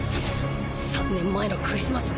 ３年前のクリスマス